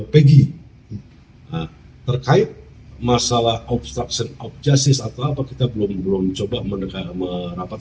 pegi terkait masalah obstruction of justice atau apa kita belum belum coba mendengar merapat